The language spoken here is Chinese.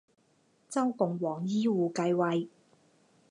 周共王繄扈继位。